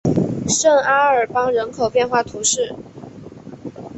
圣阿尔邦人口变化图示